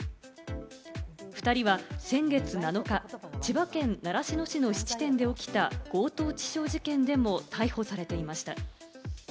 ２人は先月７日、千葉県習志野市の質店で起きた強盗致傷事件でも逮捕されていました。